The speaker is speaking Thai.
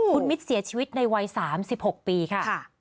คุณมิตรเสียชีวิตในวัย๓๖ปีค่ะ